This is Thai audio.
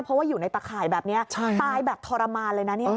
เพราะว่าอยู่ในตะข่ายแบบนี้ตายแบบทรมานเลยนะเนี่ย